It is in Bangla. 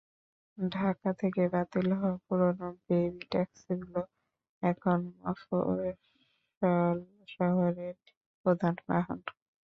ঢাকা থেকে বাতিল হওয়া পুরোনো বেবি ট্যাক্সিগুলো এখন মফস্বল শহরের প্রধান বাহন।